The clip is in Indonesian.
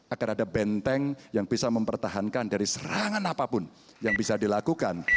agar ada benteng yang bisa mempertahankan dari serangan apapun yang bisa dilakukan